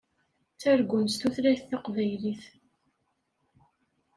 Ttargun s tutlayt taqbaylit.